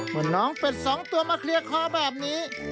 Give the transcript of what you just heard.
เมื่อน้องเป็ดสองตัวมาเคลียร์คอแบบนี้